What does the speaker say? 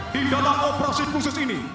di dalam operasi khusus ini